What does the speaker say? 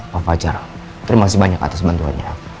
pak fajar terima kasih banyak atas bantuannya